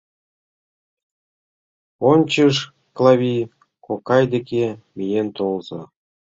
Ончыч Клави кокай деке миен толза.